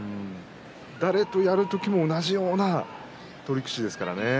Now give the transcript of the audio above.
誰とやる時も同じような取り口ですからね。